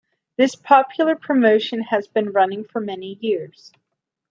This popular promotion has been running for many years.